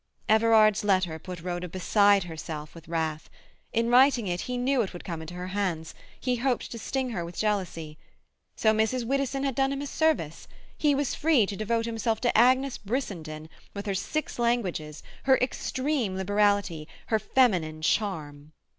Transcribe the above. Everard's letter put Rhoda beside herself with wrath. In writing it he knew it would come into her hands; he hoped to sting her with jealousy. So Mrs. Widdowson had done him a service. He was free to devote himself to Agnes Brissenden, with her six languages, her extreme liberality, her feminine charm.